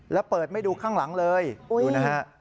แล้วเปิดไม่ดูข้างหลังเลยดูนะฮะ